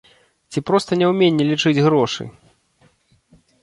Ці проста няўменне лічыць грошы?